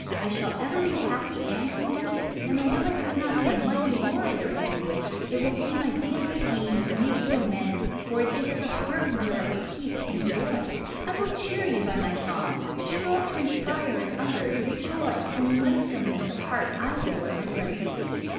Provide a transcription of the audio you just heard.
I shall ever be happy and contented; and although I could not be a mighty warrior as you wished, it will be my daily aim to make you amends for it as a harbinger of peace and joy. I will cheer you by my songs and strive to inspire in others the joy and lightsomeness of heart I feel in my present state.